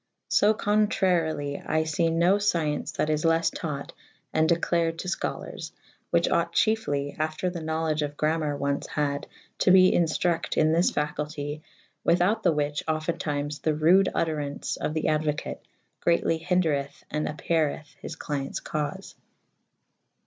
So contraryly I fe no fcyence that is les' taught and declared to Icholars^ / whiche ought chyefly after the knowledge of gramer ones hade to be inftructe in thys facultie without the whiche often tymes the rude vtterance of [A iii a] the aduocate greatly hyndrethe and apeyreth his clyentes caufe.